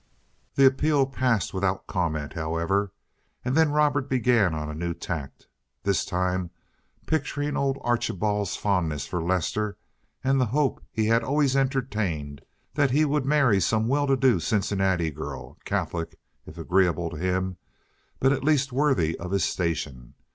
The appeal passed without comment, however, and then Robert began on a new tack, this time picturing old Archibald's fondness for Lester and the hope he had always entertained that he would marry some well to do Cincinnati girl, Catholic, if agreeable to him, but at least worthy of his station.